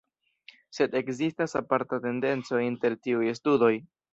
Sed ekzistas aparta tendenco inter tiuj studoj.